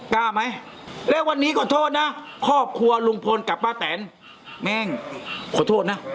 กล้าไหมและวันนี้ขอโทษนะครอบครัวลุงพลกับป้าแตนแม่งขอโทษนะ